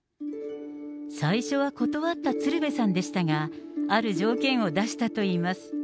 最初は断った鶴瓶さんでしたが、ある条件を出したといいます。